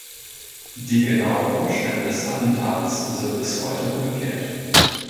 Die genauen Umstände des Attentates sind bis heute ungeklärt.